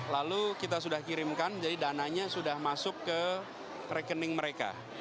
lalu kita sudah kirimkan jadi dananya sudah masuk ke rekening mereka